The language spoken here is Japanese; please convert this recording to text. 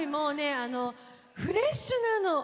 フレッシュなの！